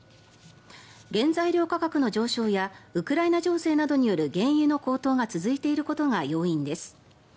原材料価格の上昇やウクライナ情勢による原油の高騰が続いていることが要因です。